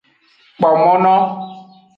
Kpo mo no.